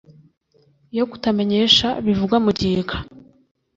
Iyo kutamenyesha bivugwa mu gika